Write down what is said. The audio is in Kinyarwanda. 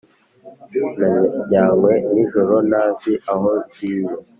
najyanywe nijoro ntazi aho ngiye